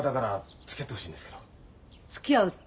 つきあうって？